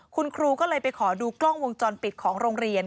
คุณครูก็เลยไปขอดูกล้องวงจรปิดของโรงเรียน